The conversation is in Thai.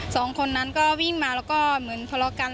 สองคนนั้นก็วิ่งมาแล้วก็เหมือนทะเลาะกัน